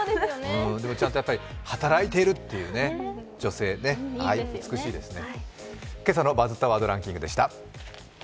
でも、ちゃんと働いているという女性、美しいですね。